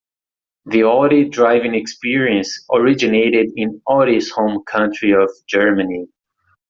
The Audi Driving Experience originated in Audi's home country of Germany.